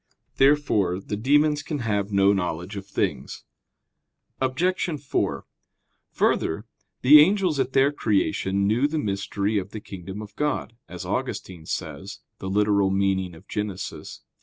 Therefore the demons can have no knowledge of things. Obj. 4: Further, the angels at their creation knew the mystery of the kingdom of God, as Augustine says (Gen. ad lit.